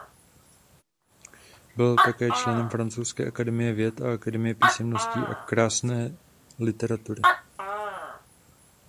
Byl také členem Francouzské akademie věd a Akademie písemností a krásné literatury.